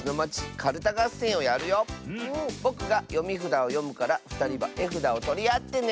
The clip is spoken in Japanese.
ぼくがよみふだをよむからふたりはえふだをとりあってね！